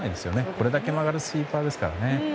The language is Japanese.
これだけ曲がるスイーパーですからね。